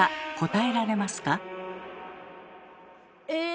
え？